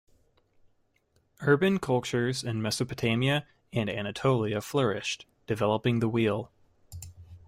Urban cultures in Mesopotamia and Anatolia flourished, developing the wheel.